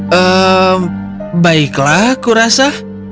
hmm baiklah kurasa